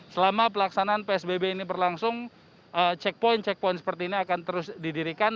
selama pelaksanaan psbb ini berlangsung checkpoint checkpoint seperti ini akan terus didirikan